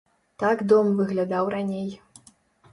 Так дом выглядаў раней.